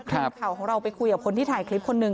ทีมข่าวของเราไปคุยกับคนที่ถ่ายคลิปคนนึง